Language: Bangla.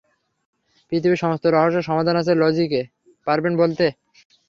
পৃথিবীর সমস্ত রহস্যের সমাধান আছে লজিকে, পারবেন বলতে?